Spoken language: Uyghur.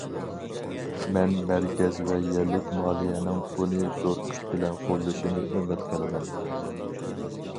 مەن مەركەز ۋە يەرلىك مالىيەنىڭ بۇنى زور كۈچ بىلەن قوللىشىنى ئۈمىد قىلىمەن.